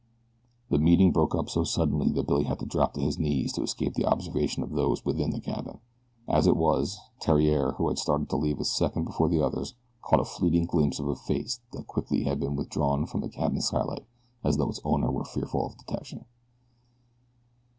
The meeting broke up so suddenly that Billy had to drop to his knees to escape the observation of those within the cabin. As it was, Theriere, who had started to leave a second before the others, caught a fleeting glimpse of a face that quickly had been withdrawn from the cabin skylight as though its owner were fearful of detection.